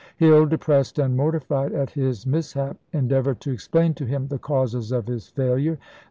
Hill, depressed and mortified at his mishap, endeavored to explain to him the causes of his failure.